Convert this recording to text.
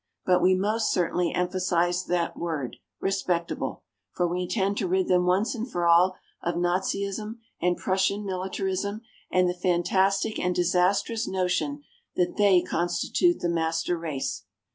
But we most certainly emphasize that word "respectable" for we intend to rid them once and for all of Nazism and Prussian militarism and the fantastic and disastrous notion that they constitute the "Master Race."